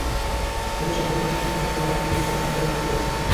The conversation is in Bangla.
তবে এসব অপকর্মের সঙ্গে যেসব কর্মকর্তা জড়িত, কমিশন তাঁদের বিরুদ্ধে ব্যবস্থা নেবে।